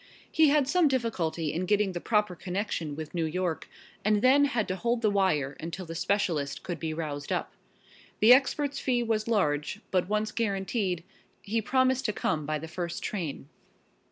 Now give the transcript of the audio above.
He had some difficulty in getting the proper connection with New York, and then had to hold the wire until the specialist could be roused up. The expert's fee was large, but once guaranteed, he promised to come by the first train.